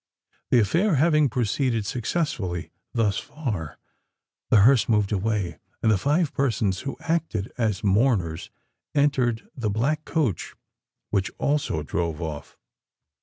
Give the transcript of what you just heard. The affair having proceeded successfully thus far, the hearse moved away; and the five persons who acted as mourners entered the black coach, which also drove off.